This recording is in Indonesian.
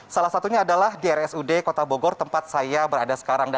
salah satunya adalah di rsud kota bogor tempat saya berada sekarang